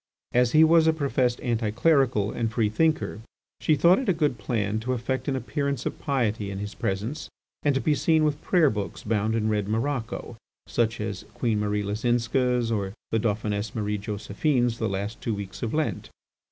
As he was a professed anti clerical and free thinker, she thought it a good plan to affect an appearance of piety in his presence and to be seen with prayer books bound in red morocco, such as Queen Marie Leczinska's or the Dauphiness Marie Josephine's "The Last Two Weeks of Lent."